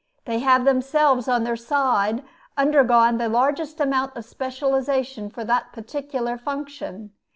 They have themselves on their side undergone the largest amount of specialization for that particular function.